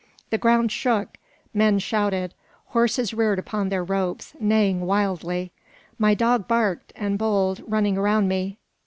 The ground shook, men shouted, horses reared upon their ropes, neighing wildly. My dog barked, and bowled, running around me!